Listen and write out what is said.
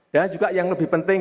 dan juga yang lebih penting